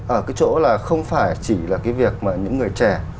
ở cái chỗ là không phải chỉ là cái việc mà những người trẻ